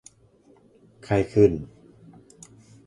ไข้ขึ้น